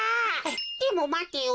でもまてよ。